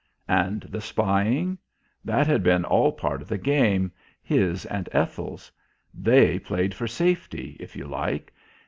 And the spying? That had been all part of the game; his and Ethel's. They played for safety, if you like.